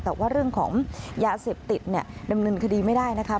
แต่ว่าเรื่องของยาเสพติดเนี่ยดำเนินคดีไม่ได้นะคะ